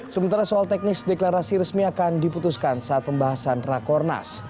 sementara soal teknis deklarasi resmi akan diputuskan saat pembahasan rakornas